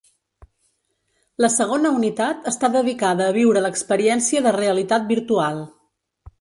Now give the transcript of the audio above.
La segona unitat està dedicada a viure l’experiència de realitat virtual.